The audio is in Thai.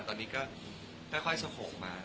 ตอนนี้ก็ได้ค่อยสโขงมา